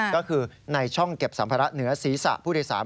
ก็คือในช่องเก็บสัมภาระเหนือศีรษะผู้โดยสาร